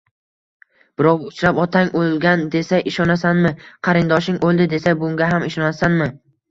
Birov uchrab otang o'lgan desa, ishonasanmi, qarindoshing o'ldi desa, bunga ham ishonasanmi?